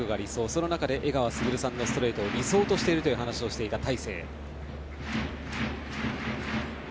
その中で江川卓さんのストレートが理想としているという話をしていた大勢。